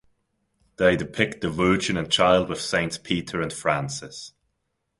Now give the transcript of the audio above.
They depict the "Virgin and Child with Saints Peter and Francis".